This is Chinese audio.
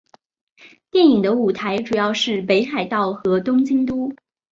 电影的舞台主要是北海道和东京都。